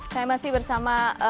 saya masih bersama